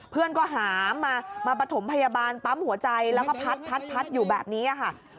เพื่อนก็หามมามาปฐมพยาบาลปั๊มหัวใจแล้วก็พัดอยู่แบบนี้ค่ะ